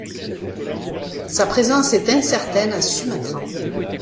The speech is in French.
Sa présence est incertaine à Sumatra.